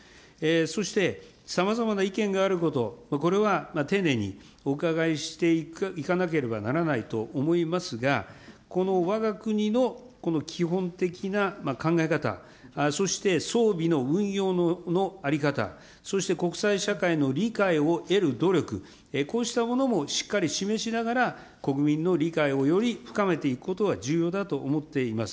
そして、さまざまな意見があること、これは丁寧にお伺いしていかなければならないと思いますが、このわが国のこの基本的な考え方、そして装備の運用の在り方、そして国際社会の理解を得る努力、こうしたものもしっかり示しながら、国民の理解をより深めていくことは重要だと思っています。